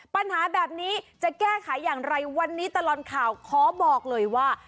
ปัญหาแบบนี้จะแก้ไขอย่างไรวันนี้ตลอดข่าวขอบอกเลยว่า